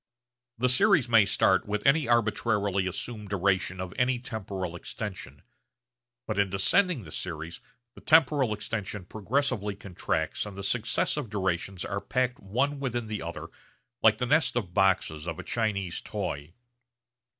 The series may start with any arbitrarily assumed duration of any temporal extension, but in descending the series the temporal extension progressively contracts and the successive durations are packed one within the other like the nest of boxes of a Chinese toy.